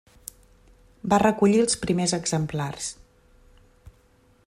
Va recollir els primers exemplars.